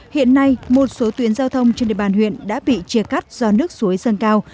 hiện nay một số tuyến giao thông trên địa bàn huyện đã bị chia cắt do nước suối dâng cao